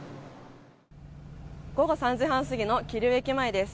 午後３時半過ぎの桐生駅前です。